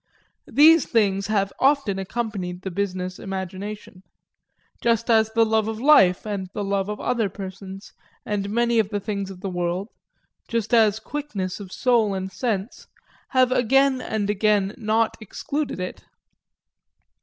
These things have often accompanied the business imagination; just as the love of life and the love of other persons, and of many of the things of the world, just as quickness of soul and sense, have again and again not excluded it.